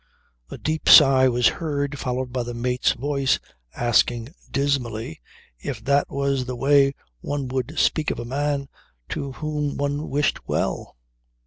A deep sigh was heard followed by the mate's voice asking dismally if that was the way one would speak of a man to whom one wished well?